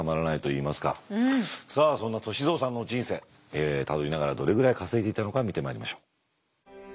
さあそんな歳三さんの人生たどりながらどれぐらい稼いでいたのか見てまいりましょう。